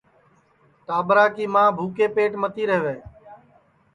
ٹاٻرا کُی ماں بُھکے پیٹ متی رہوے